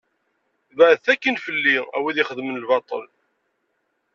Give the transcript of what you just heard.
Beɛdet akkin fell-i, a wid i xeddmen lbaṭel.